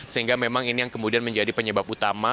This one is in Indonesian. sehingga memang ini yang kemudian menjadi penyebab utama